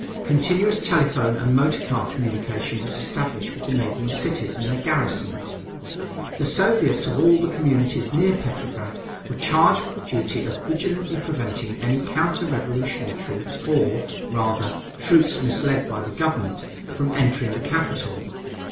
Continuous telephone and motor car communication was established with the neighboring cities and their garrisons. The Soviets of all the communities near Petrograd were charged with the duty of vigilantly preventing any counter revolutionary troops, or, rather, troops misled by the government, from entering the capital.